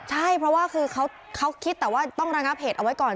ใช่เพราะว่าคือเขาคิดแต่ว่าต้องระงับเหตุเอาไว้ก่อน